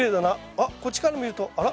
あっこっちから見るとあら？